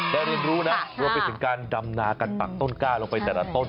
ได้เรียนรู้นะรวมไปถึงการดำนาการปักต้นกล้าลงไปแต่ละต้น